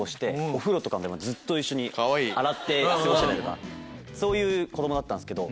お風呂で洗って過ごしたりとかそういう子供だったんですけど。